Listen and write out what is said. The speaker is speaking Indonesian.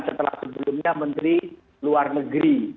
setelah sebelumnya menteri luar negeri